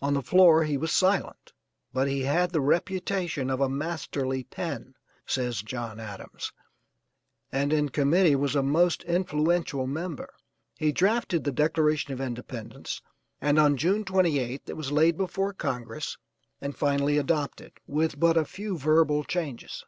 On the floor he was silent but he had the 'reputation of a masterly pen,' says John Adams, and in committee was a most influential member. He drafted the Declaration of Independence, and on June 28th it was laid before Congress and finally adopted, with but a few verbal changes.